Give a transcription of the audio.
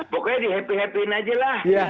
pokoknya di happy happyin aja lah